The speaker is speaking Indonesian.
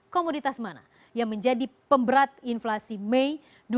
komoditas mana yang menjadi pemberat inflasi mei dua ribu dua puluh